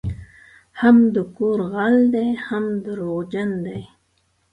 هم د کور غل دی هم دروغجن دی